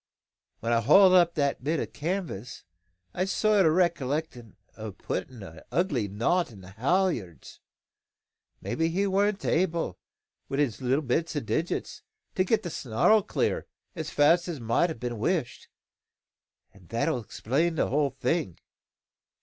When I hauled up that bit o' canvas, I've a sort o' recollection o' puttin' a ugly knot on the haulyards. Maybe he warn't able, wi' his little bits o' digits, to get the snarl clear, as fast as mout a' been wished; an' that'll explain the whole thing.